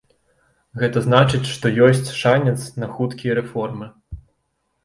Гэта значыць, што ёсць шанец на хуткія рэформы.